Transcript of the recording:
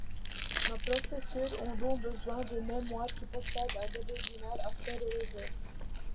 Nos processeurs ont donc besoin d'une mémoire qui possède un débit binaire assez élevé.